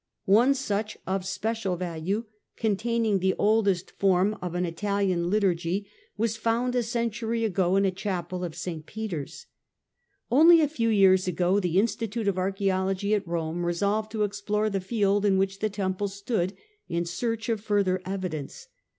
One such, of special value, containing the oldest form of an Italian liturgy, was found a century ago in a chapel of St. Peter^s. Only a few years ago the Institute of Archaeology at Rome resolved to explore the field in which the teniple stood in search of further evidence.